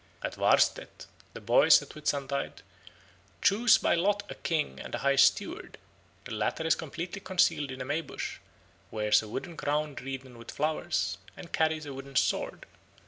At Wahrstedt the boys at Whitsuntide choose by lot a king and a high steward. The latter is completely concealed in a May bush, wears a wooden crown wreathen with flowers, and carries a wooden sword.